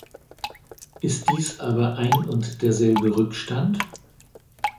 Ist dies aber ein und derselbe Rückstand?